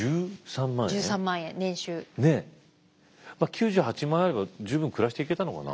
９８万円あれば十分暮らしていけたのかな。